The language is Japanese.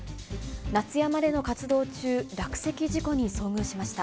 夏山での活動中、落石事故に遭遇しました。